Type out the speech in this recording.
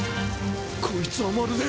こいつはまるで。